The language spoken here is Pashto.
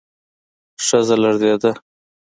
ښځه لړزېده.